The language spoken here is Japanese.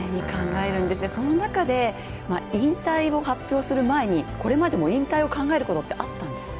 その中で、引退を発表する前に、これまでも引退を考えることってあったんですか？